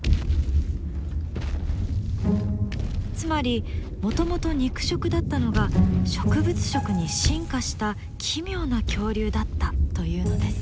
つまりもともと肉食だったのが植物食に進化した奇妙な恐竜だったというのです。